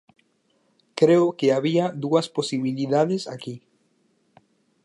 Creo que había dúas posibilidades aquí.